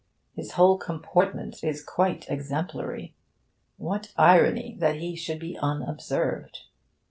His whole comportment is quite exemplary. What irony that he should be unobserved!